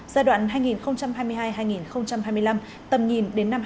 giai đoạn hai nghìn hai mươi hai hai nghìn hai mươi năm tầm nhìn đến năm hai nghìn ba mươi